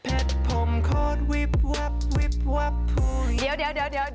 เพชรผมข้อนาที